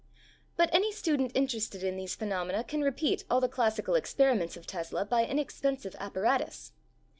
But any student interested in these phe nomena can repeat all the classical experi ments of Tesla by inexpensive apparatus.